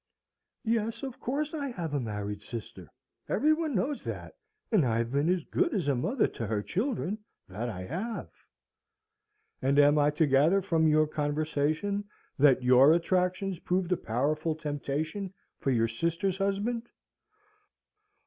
"Yes, of course I have a married sister; every one knows that and I have been as good as a mother to her children, that I have!" "And am I to gather from your conversation that your attractions proved a powerful temptation for your sister's husband?"